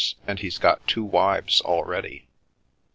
And he's got two wives already."